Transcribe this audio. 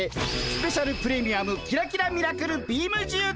スペシャル・プレミアムキラキラ・ミラクル・ビームじゅう？